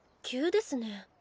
急ですね。